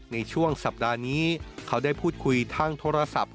ในช่วงสัปดาห์นี้เขาได้พูดคุยทางโทรศัพท์